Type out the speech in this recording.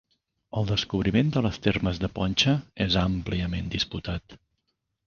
El descobriment de les termes de Poncha és àmpliament disputat.